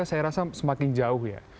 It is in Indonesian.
saya rasa semakin jauh ya